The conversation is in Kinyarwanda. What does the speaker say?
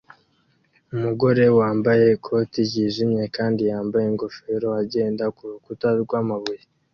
Umugore wambaye ikoti ryijimye kandi yambaye ingofero agenda kurukuta rwamabuye